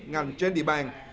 ngành trên địa bàn